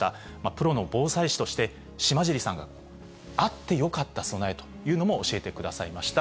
プロの防災士として、島尻さんが、あってよかった備えというのも教えてくださいました。